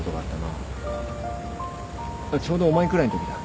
ちょうどお前くらいんときだ。